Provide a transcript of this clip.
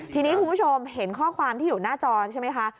ทีนี้คุณผู้ชมเห็นข้อความที่อยู่หน้าจอใช่ไหมคะ